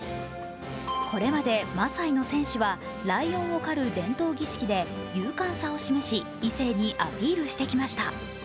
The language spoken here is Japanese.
これまで、マサイの戦士はライオンを狩る伝統儀式で勇敢さを示し、異性にアピールしてきました。